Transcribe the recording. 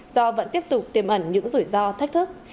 do vẫn tiếp tục tiêm ẩn những rủi ro thách thức